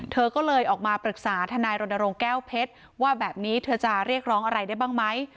เธอก็เลยออกมาปรึกษาทนายรณรงค์แก้วเพชรว่าแบบนี้เธอจะเรียกร้องอะไรได้บ้างไหม